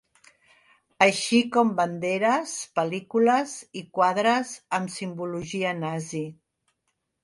Així com banderes, pel·lícules i quadres amb simbologia nazi.